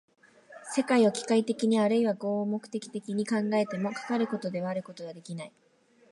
世界を機械的にあるいは合目的的に考えても、かかることがあることはできない。